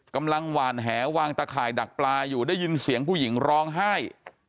กำลังหวานแหวางตะข่ายดักปลาอยู่ได้ยินเสียงผู้หญิงร้องไห้